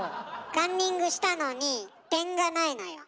カンニングしたのに点がないのよ。